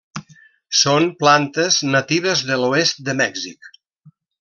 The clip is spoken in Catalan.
Són plantes natives de l'oest de Mèxic.